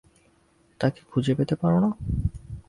তাকে খুঁজে পেতে পারো, না?